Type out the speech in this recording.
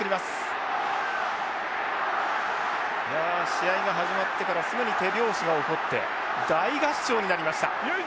試合が始まってからすぐに手拍子が起こって大合唱になりました。